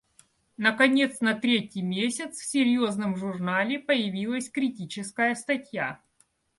Наконец на третий месяц в серьезном журнале появилась критическая статья.